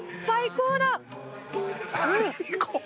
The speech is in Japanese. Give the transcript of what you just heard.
「“最高だ！”」